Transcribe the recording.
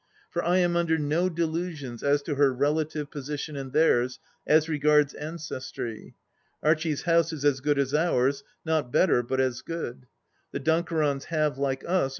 For I am under no delusions as to her relative position and theirs, as regards ancestry. Archie's house is as good as ours ; not better, but as good. The Dunkerons have, like us.